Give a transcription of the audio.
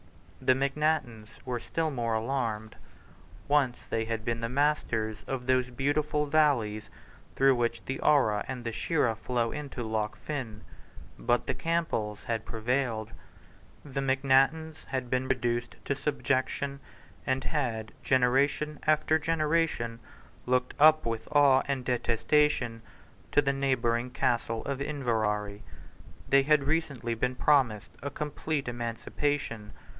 The Macnaghtens were still more alarmed. Once they had been the masters of those beautiful valleys through which the Ara and the Shira flow into Loch Fyne. But the Campbells had prevailed. The Macnaghtens had been reduced to subjection, and had, generation after generation, looked up with awe and detestation to the neighbouring Castle of Inverary. They had recently been promised a complete emancipation.